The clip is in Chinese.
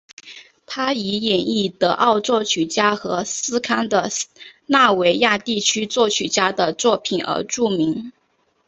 他以演绎德奥作曲家和斯堪的纳维亚地区作曲家的作品而著名。